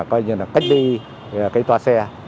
cách đi cái toa xe